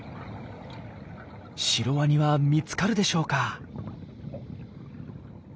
シロワニは見つかるでしょうか？